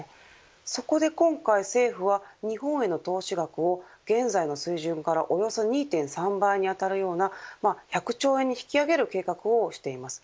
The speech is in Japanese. そこで今回、政府は日本への投資額を現在の水準からおよそ２．３倍に当たるような１００兆円に引き上げる計画を推しています。